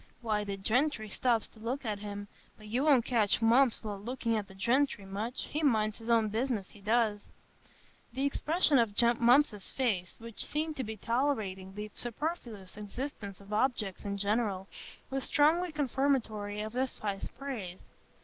Why, the gentry stops to look at him; but you won't catch Mumps a looking at the gentry much,—he minds his own business, he does." The expression of Mump's face, which seemed to be tolerating the superfluous existence of objects in general, was strongly confirmatory of this high praise.